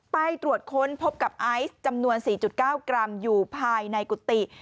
ไปตรวจค้นพบกับไอซ์จำนวน๔๙กรัมอยู่ภายในกุฏิ